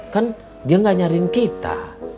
kan dia gak nyariin kita